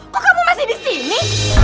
kok kamu masih di sini